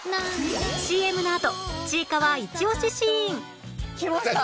ＣＭ のあと『ちいかわ』イチオシシーンきました。